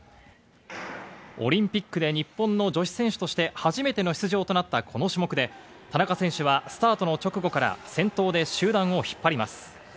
オリンピックで日本の女子選手として初めての出場となったこの種目で田中選手はスタート直後から先頭で集団を引っ張ります。